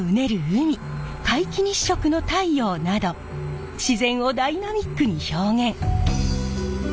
海皆既日食の太陽など自然をダイナミックに表現。